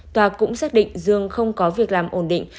tòa cũng xác định dương không có việc làm ổn định